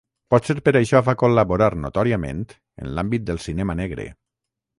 Potser per això va col·laborar notòriament en l’àmbit del cinema negre.